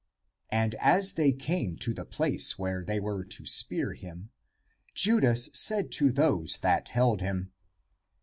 And as they came to the place where they were to spear him, Judas said to those that held him.